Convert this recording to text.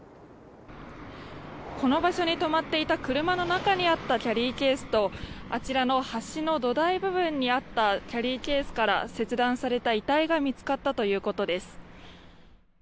この場所に止まっていた車の中にあったキャリーケースとあちらの橋の土台部分にあったキャリーケースから切断された遺体が見つかったということです。